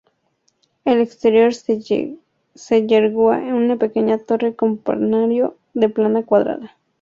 Al exterior se yergue una pequeña torre-campanario de planta cuadrada.